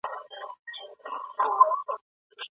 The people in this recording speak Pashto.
فکر مو ور بدل کړ.